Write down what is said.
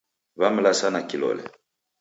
Wamlasa na kilole.